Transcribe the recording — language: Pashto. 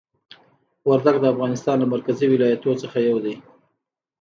وردګ د افغانستان له مرکزي ولایتونو څخه یو دی.